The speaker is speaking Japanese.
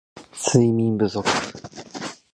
睡眠不足